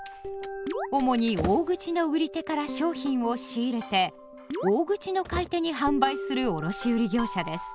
主に大口の売り手から商品を仕入れて大口の買い手に販売する卸売業者です。